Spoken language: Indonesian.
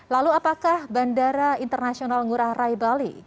lalu apakah bandara internasional ngurah rai bali